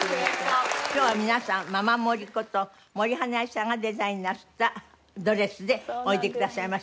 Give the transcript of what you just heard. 今日は皆さんママ森こと森英恵さんがデザインなすったドレスでおいでくださいました。